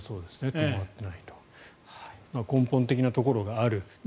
根本的なところがある。